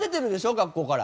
学校から。